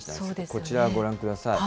こちらご覧ください。